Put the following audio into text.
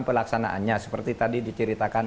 pelaksanaannya seperti tadi diceritakan